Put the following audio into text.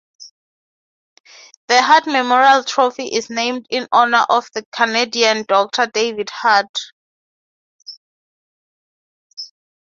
The Hart Memorial Trophy is named in honour of Canadian Doctor David Hart.